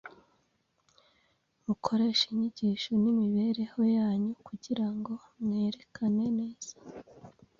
Mukoreshe inyigisho n’imibereho yanyu kugira ngo mwerekane neza